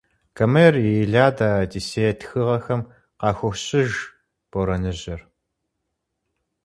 Гомер и «Илиада», «Одиссея» тхыгъэхэм къахощыж борэныжьыр.